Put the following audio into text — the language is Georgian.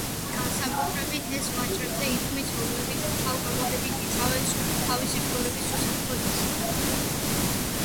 განსაკუთრებით ეს ვაჭრებზე ითქმის, რომლებიც, თავგამოდებით იცავენ თავისი ქონების უსაფრთხოებას.